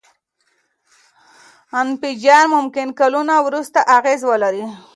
انفجار ممکن کلونه وروسته اغېز ولري.